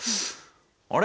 あれ？